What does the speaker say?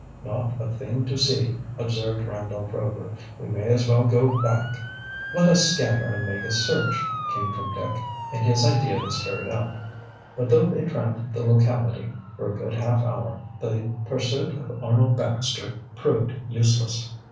"Not a thing to see," observed Randolph Rover. "We may as well go back." "Let us scatter and make a search," came from Dick, and his idea was carried out. But though they tramped the locality for a good half hour the pursuit of Arnold Baxter proved useless.